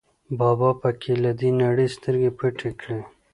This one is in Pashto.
بابا په کې له دې نړۍ سترګې پټې کړې.